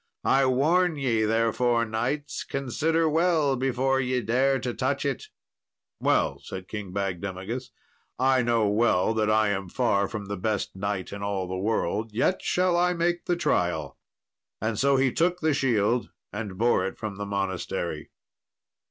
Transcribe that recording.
I warn ye, therefore, knights; consider well before ye dare to touch it." "Well," said King Bagdemagus, "I know well that I am far from the best knight in all the world, yet shall I make the trial;" and so he took the shield, and bore it from the monastery.